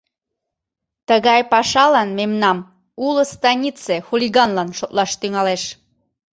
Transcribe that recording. - Тыгай пашалан мемнам уло станице хулиганлан шотлаш тӱҥалеш.